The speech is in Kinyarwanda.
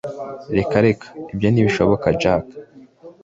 reka reka ibyo ntibishoboka jack